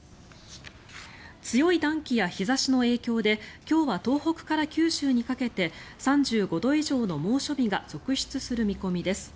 強い暖気や日差しの影響で今日は東北から九州にかけて３５度以上の猛暑日が続出する見込みです。